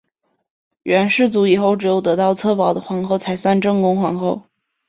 元世祖以后只有得到策宝的皇后才算正宫皇后。